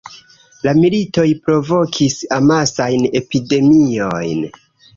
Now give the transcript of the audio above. La militoj provokis amasajn epidemiojn.